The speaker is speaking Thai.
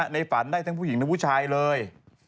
ในฝันได้ทั้งผู้หญิงทั้งผู้ชายเลย